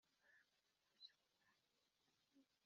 akaba yari aje nk’iya gatera